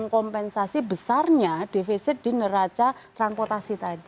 kompensasi besarnya defisit di neraca transportasi tadi